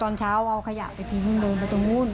เลยเอาขยะไปทิ้งลงไปตรงนู้น